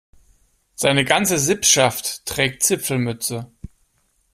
Seine ganze Sippschaft trägt Zipfelmütze.